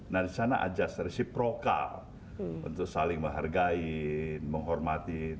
nah di sana ajar resiprokal untuk saling menghargai menghormati